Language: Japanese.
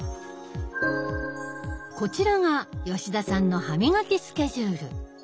こちらが吉田さんの歯みがきスケジュール。